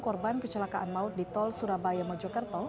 korban kecelakaan maut di tol surabaya mojokerto